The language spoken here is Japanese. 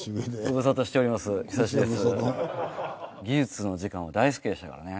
技術の時間は大好きでしたからね。